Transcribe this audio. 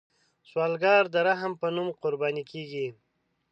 سوالګر د رحم په نوم قرباني کیږي